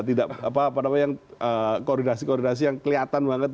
tidak apa apa namanya koordinasi koordinasi yang kelihatan banget